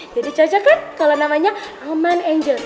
jadi cocok kan kalau namanya roman angels